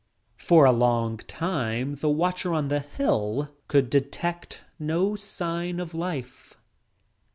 For a long time the watcher on the hill could detect no sign of life.